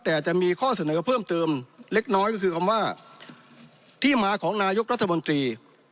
แต่จะมีข้อเสนอเพิ่มเติมเล็กน้อยก็คือคำว่าที่มาของนายกรัฐมนตรี